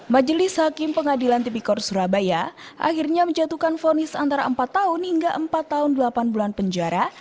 majelis hakim pengadilan tipikor surabaya akhirnya menjatuhkan fonis antara empat tahun hingga empat tahun delapan bulan penjara